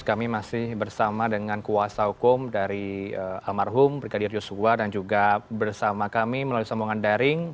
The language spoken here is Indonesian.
kami masih bersama dengan kuasa hukum dari almarhum brigadir yosua dan juga bersama kami melalui sambungan daring